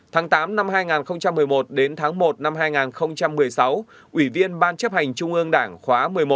tháng tám năm hai nghìn một mươi một đến tháng một năm hai nghìn một mươi sáu ủy viên ban chấp hành trung ương đảng khóa một mươi một